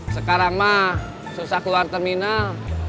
sekarang mah susah keluar terminal